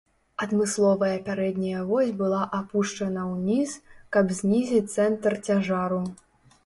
Адмысловая пярэдняя вось была апушчана ўніз, каб знізіць цэнтр цяжару.